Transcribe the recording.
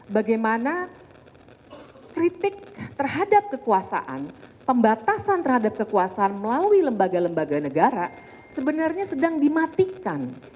bagaimana kritik terhadap kekuasaan pembatasan terhadap kekuasaan melalui lembaga lembaga negara sebenarnya sedang dimatikan